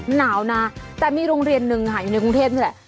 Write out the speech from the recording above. หนาวนะแต่มีโรงเรียนหนึ่งค่ะอยู่ในกรุงเทพนี่แหละ